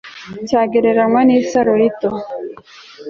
cyagereranywa nisaro rito